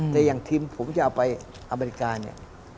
แต่อย่างทีมผมจะเอาไปอเมริกาเนี่ย